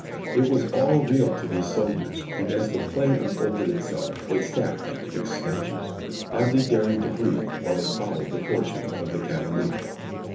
It was all real to these soldiers, and as the play unfolded itself they sat like fixed statues, hardly daring to breathe while they followed the fortunes of the Cavalier.